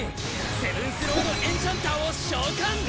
セブンスロード・エンチャンターを召喚！